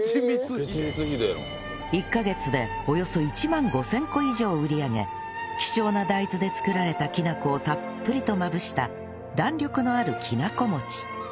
１カ月でおよそ１万５０００個以上売り上げ貴重な大豆で作られたきなこをたっぷりとまぶした弾力のあるきなこ餅